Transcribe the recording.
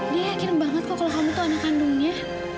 dia yakin banget kok kalau kamu tuh anak kandungnya